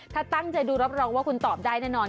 ถ้าตั้งใจดูรับรองว่าคุณตอบได้แน่นอน